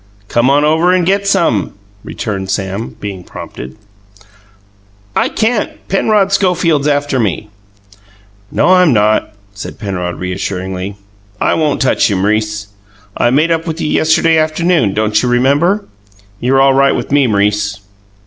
"Come on over and get some," returned Sam, being prompted. "I can't. Penrod Schofield's after me." "No, I'm not," said Penrod reassuringly. "I won't touch you, M'rice. I made up with you yesterday afternoon don't you remember? You're all right with me, M'rice."